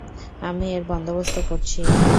আমি এর বন্দোবস্ত করছি।